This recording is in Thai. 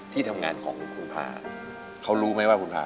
ที่ทำงานของคุณพา